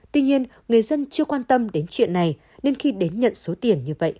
tuy nhiên người dân chưa quan tâm đến chuyện này nên khi đến nhận số tiền như vậy